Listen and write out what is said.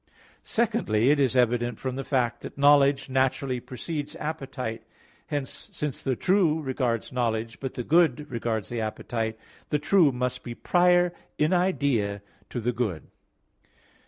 Secondly, it is evident from the fact that knowledge naturally precedes appetite. Hence, since the true regards knowledge, but the good regards the appetite, the true must be prior in idea to the good.